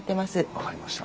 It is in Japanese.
分かりました。